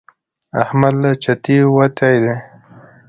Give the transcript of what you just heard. احمد له چتې وتی دی.